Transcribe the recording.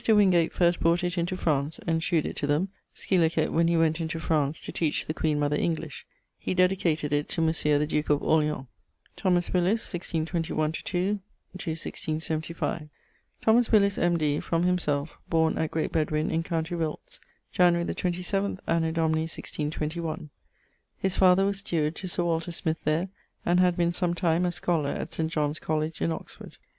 Wingate first brought it into France, and shewed it to them; scil. when he went into France to teach the Queen Mother English; he dedicated it to Monsieur the duke of Orleans. =Thomas Willis= (1621/2 1675). Thomas Willis, M.D. from himselfe borne at Great Bedwyn in com. Wilts, January the 27th, anno Domini 1621. His father was steward to Sir Walter Smyth there, and had been sometime a scholar at St. John's College in Oxford.